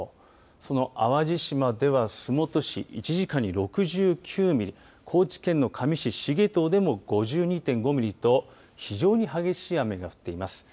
その淡路島では洲本市、１時間に６９ミリ高知県の香美市繁藤でも５２．５ミリと非常に激しい雨が降っています。